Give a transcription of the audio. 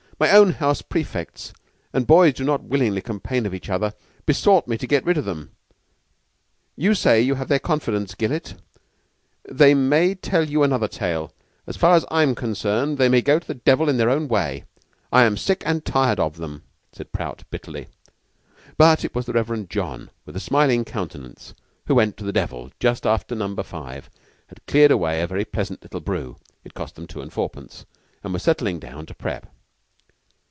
My own house prefects and boys do not willingly complain of each other besought me to get rid of them. You say you have their confidence, Gillett: they may tell you another tale. As far as I am concerned, they may go to the devil in their own way. I'm sick and tired of them," said Prout bitterly. But it was the Reverend John, with a smiling countenance, who went to the devil just after Number Five had cleared away a very pleasant little brew (it cost them two and fourpence) and was settling down to prep.